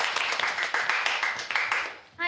はい。